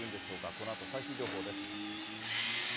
このあと最新情報です。